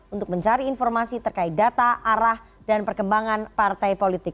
untuk mencari informasi terkait data arah dan perkembangan partai politik